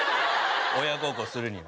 親孝行するには。